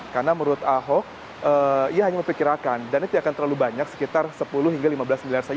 karena menurut ahok ia hanya memperkirakan dan itu tidak akan terlalu banyak sekitar sepuluh hingga lima belas miliar saja